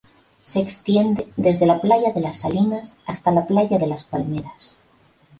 Se extiende desde la playa de las Salinas hasta la playa de las Palmeras.